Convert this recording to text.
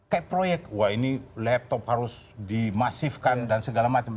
kayak proyek wah ini laptop harus dimasifkan dan segala macam